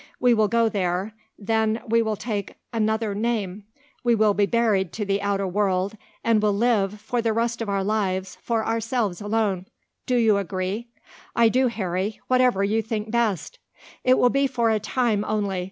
We will go there, then we will take another name; we will be buried to the outer world, and will live, for the rest of our lives, for ourselves alone. Do you agree?" "I will do, Harry, whatever you think best." "It will be for a time only.